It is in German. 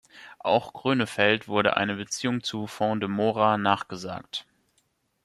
Auch Grönefeld wurde eine Beziehung zu Font de Mora nachgesagt.